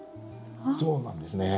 そうなんですね。